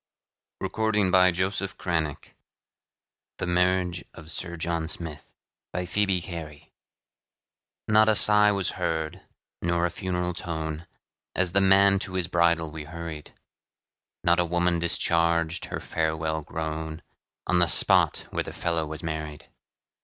THE WIT AND HUMOR OF AMERICA THE MARRIAGE OF SIR JOHN SMITH BY PHOEBE CARY Not a sigh was heard, nor a funeral tone, As the man to his bridal we hurried; Not a woman discharged her farewell groan, On the spot where the fellow was married.